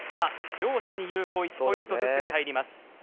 両者に有効１ポイントずつが入ります。